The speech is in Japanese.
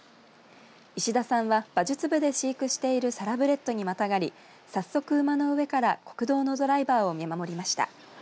石田さんは馬術部で飼育しているサラブレッドにまたがり早速、馬の上から国道のドライバーを見守りました。